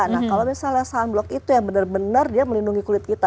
nah kalau misalnya sunblock itu yang benar benar dia melindungi kulit kita